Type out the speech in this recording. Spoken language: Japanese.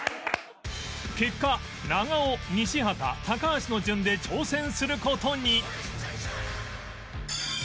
結果長尾西畑高橋の順で挑戦する事に